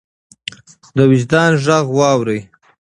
د وجدان غږ واورئ.